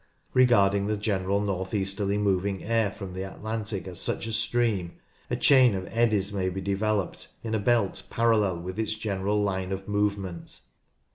Regarding the general north easterly moving air from the Atlantic as such a stream, a chain of M. N. L. 6 82 NORTH LANCASHIRE eddies may be developed in a belt parallel with its general line of movement.